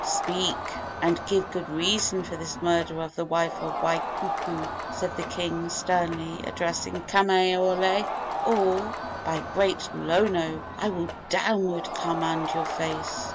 "Speak, and give good reason for this murder of the wife of Waikuku," said the king, sternly addressing Kamaiole, "or, by great Lono! I will downward command your face!"